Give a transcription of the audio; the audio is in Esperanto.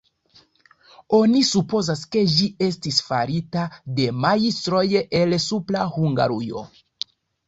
Oni supozas, ke ĝi estis farita de majstroj el Supra Hungarujo.